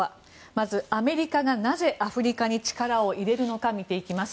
まず、アメリカがなぜアフリカに力を入れるのか見ていきます。